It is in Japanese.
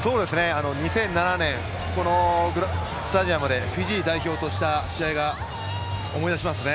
２００７年このスタジアムでフィジー代表とした試合を思い出しますね。